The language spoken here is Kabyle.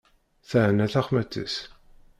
Teɛna taxxmat-is.